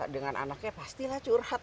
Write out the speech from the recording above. dengan anaknya pastilah curhatnya